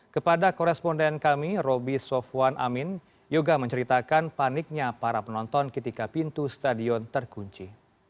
kepada koresponden kami roby sofwan amin yoga menceritakan paniknya para penonton ketika pintu stadion terkunci